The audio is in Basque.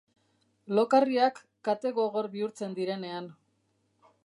Lokarriak kate gogor bihurtzen direnean.